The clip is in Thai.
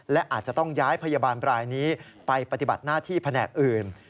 และอาจจะต้องย้ายพยาบาลรายนี้ไปปฏิบัติหน้าที่แผนกอื่น